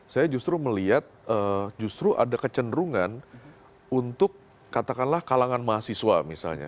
saya justru melihat justru ada kecenderungan untuk katakanlah kalangan mahasiswa misalnya